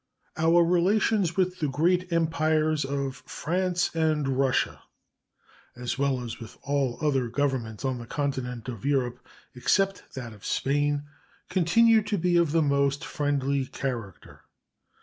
Our relations with the great Empires of France and Russia, as well as with all other Governments on the continent of Europe, except that of Spain, continue to be of the most friendly character.